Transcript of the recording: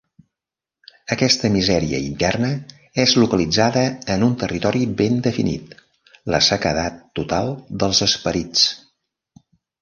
Aquesta misèria interna és localitzada en un territori ben definit, la sequedat total dels esperits.